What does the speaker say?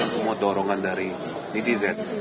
semua dorongan dari netizen